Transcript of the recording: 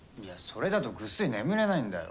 それだとぐっすり眠れないんだよ。